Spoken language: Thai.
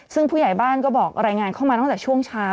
ซึ่งผู้ใหญ่บ้านก็บอกรายงานเข้ามาตั้งแต่ช่วงเช้า